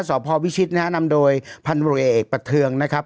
สอบพอวิชิตนะฮะนำโดยพันธุรกิจเอกประเทืองนะครับ